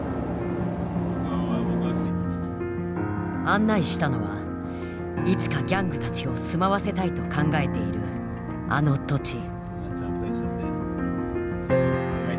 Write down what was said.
案内したのはいつかギャングたちを住まわせたいと考えているあの土地。